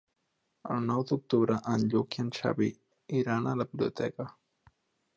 El nou d'octubre en Lluc i en Xavi iran a la biblioteca.